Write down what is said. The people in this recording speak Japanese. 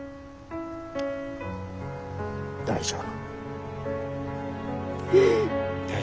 大丈夫。